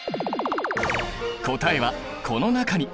答えはこの中に。